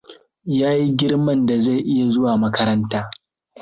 Ya yi girman da zai iya zuwa makaranta.